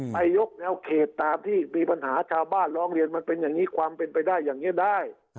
ยกแนวเขตตามที่มีปัญหาชาวบ้านร้องเรียนมันเป็นอย่างนี้ความเป็นไปได้อย่างนี้ได้